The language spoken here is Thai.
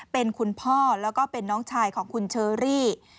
เป็นคุณพ่อแล้วก็เป็นน้องชายของคุณเชอรี่